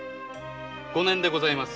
五年でございます。